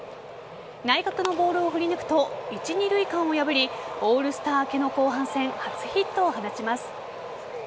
内角のボールを振り抜くと一・二塁間を破りオールスター明けの後半戦初ヒットを放ちます。